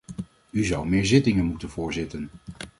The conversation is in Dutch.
U zou meer zittingen moeten voorzitten.